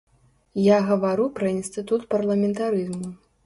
Я гавару пра інстытут парламентарызму.